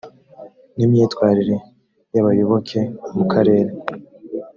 n imyitwarire y abayoboke mu karere